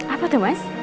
apa tuh mas